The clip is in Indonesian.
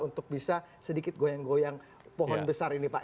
untuk bisa sedikit goyang goyang pohon besar ini pak